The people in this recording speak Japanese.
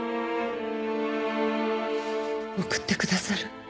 送ってくださる？